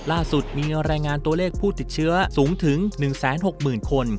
ล่าสุดมีรายงานตัวเลขผู้ติดเชื้อสูงถึง๑๖๐๐๐คน